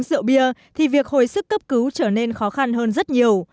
uống rượu bia thì việc hồi sức cấp cứu trở nên khó khăn hơn rất nhiều